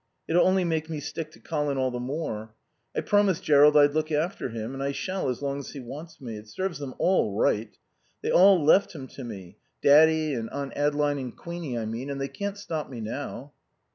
It'll only make me stick to Colin all the more. I promised Jerrold I'd look after him and I shall as long as he wants me. It serves them all right. They all left him to me Daddy and Aunt Adeline and Queenie, I mean and they can't stop me now."